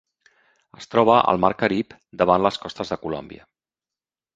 Es troba al mar Carib davant les costes de Colòmbia.